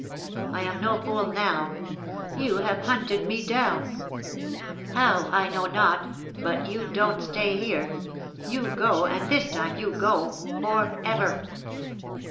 I am no fool now. You have hunted me down; how, I know not. But you don't stay here. You go. And, this time you go for ever."